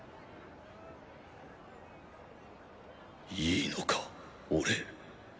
いいのか俺。